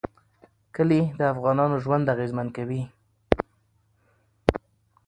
کلي د افغانانو ژوند اغېزمن کوي.